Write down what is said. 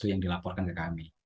yang dilaporkan ke kami